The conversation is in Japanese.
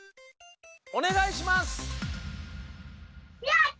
おねがいします。